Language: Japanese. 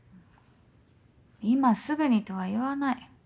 今すぐにとは言わない。